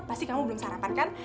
pasti kamu belum sarapan kan